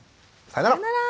さよなら。